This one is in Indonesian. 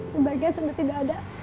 kebaikan sudah tidak ada